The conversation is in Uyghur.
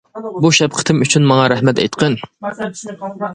بۇ شەپقىتىم ئۈچۈن ماڭا رەھمەت ئېيتقىن!